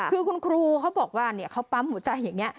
คือคุณครูเขาบอกว่าเขาปั๊มหัวใจอย่างนี้